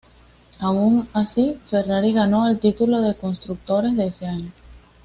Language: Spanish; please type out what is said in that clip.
Aun así, Ferrari ganó el título de constructores de ese año.